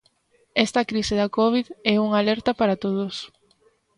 Esta crise da covid é unha alerta para todos.